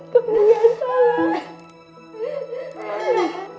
kamu yang salah